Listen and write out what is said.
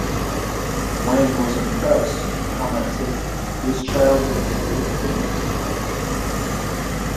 Wang was impressed and commented, This child will do great things in the future.